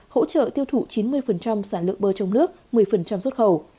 hỗ trợ tiêu thụ chín mươi sản lượng bơ trong nước một mươi xuất khẩu